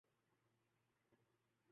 مینڈک کی طرح ہمیں اپنے چھوٹے کنوئیں میں